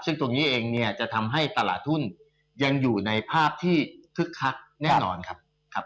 ซึ่งตรงนี้เองเนี่ยจะทำให้ตลาดทุนยังอยู่ในภาพที่คึกคักแน่นอนครับ